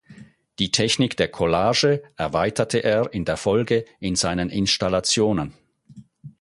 Die Technik der Collage erweiterte er in der Folge in seinen Installationen.